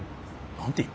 何ていう？